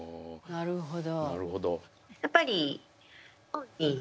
なるほど。